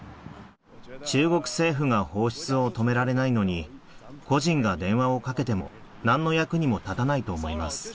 中国政府が放出を止められないのに、個人が電話をかけても、なんの役にも立たないと思います。